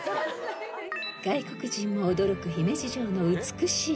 ［外国人も驚く姫路城の美しい白壁］